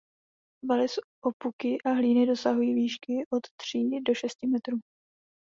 Valy z opuky a hlíny dosahují výšky od tří do šesti metrů.